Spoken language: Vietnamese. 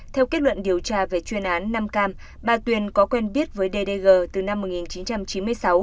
theo kết luận điều tra về chuyên án năm cam bà tuyền có quen biết với ddg từ năm một nghìn chín trăm chín mươi sáu